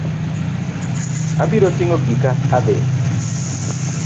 Abiro ting'o gika adhi.